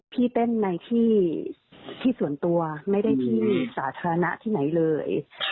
พี่เต้นในที่ส่วนตัวไม่ได้ที่สาธารณะที่ไหนเลย